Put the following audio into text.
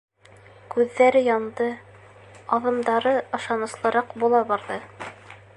Күҙҙәре янды, аҙымдары ышаныслыраҡ була барҙы.